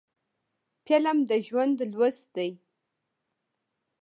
فلم د ژوند لوست دی